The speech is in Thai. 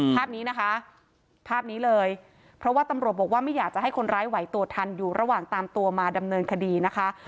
ภาพนี้นะคะภาพนี้เลยเพราะว่าตำรวจบอกว่าไม่อยากจะให้คนร้ายไหวตัวทันอยู่ระหว่างตามตัวมาดำเนินคดีนะคะ